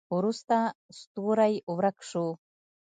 وروسته ستوری ورک شو.